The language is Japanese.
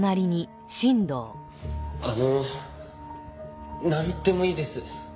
あのなんでもいいです。